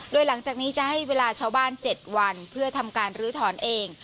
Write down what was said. โดยหลังจากนี้จะให้เวลาชาวบ้าน๗วันเพื่อทำการรื้อถอนเอง